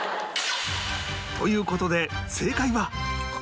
という事で正解は